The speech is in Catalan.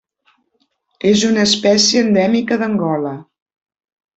És una espècie endèmica d'Angola.